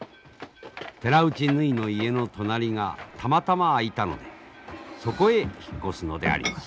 寺内ぬひの家の隣がたまたま空いたのでそこへ引っ越すのであります。